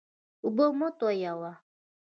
اوبه مه تویوه.